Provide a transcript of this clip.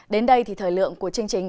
đến đây thì thời lượng của chương trình